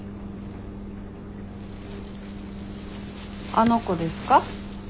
あの子ですか？